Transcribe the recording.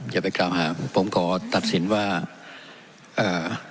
อย่าไปกล่าวหาผมขอตัดสินว่าเอ่อ